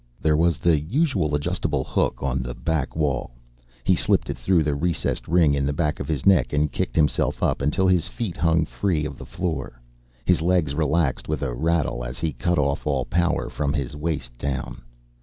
There was the usual adjustable hook on the back wall. He slipped it through the recessed ring in the back of his neck and kicked himself up until his feet hung free of the floor. His legs relaxed with a rattle as he cut off all power from his waist down.